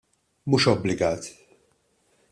Mhux obbligat.